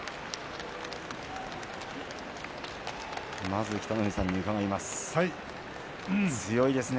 まず北の富士さんに伺います。